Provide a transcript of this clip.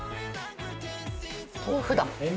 豆腐だ。